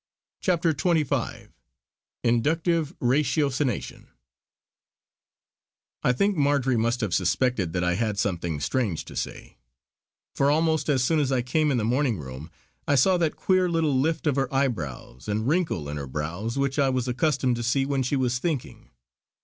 CHAPTER XXV INDUCTIVE RATIOCINATION I think Marjory must have suspected that I had something strange to say, for almost as soon as I came in the morning room I saw that queer little lift of her eyebrows and wrinkle in her brows which I was accustomed to see when she was thinking.